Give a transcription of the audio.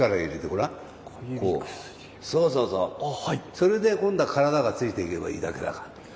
それで今度は体がついていけばいいだけだから。